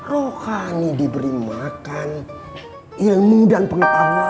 rohani diberi makan ilmu dan pengetahuan